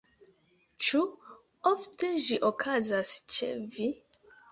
Ĉu ofte ĝi okazas ĉe vi?